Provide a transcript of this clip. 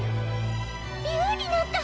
竜になった！